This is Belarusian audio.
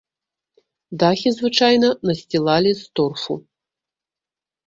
Дахі звычайна насцілалі з торфу.